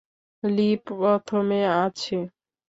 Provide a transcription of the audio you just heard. লি প্রথমে আছে।